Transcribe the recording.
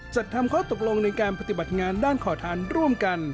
จัดทำข้อตกลงในการปฏิบัติงานด้านขอทานร่วมกัน